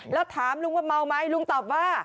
แล้วถามลุงว่าเมาไหมลุงตอบว่า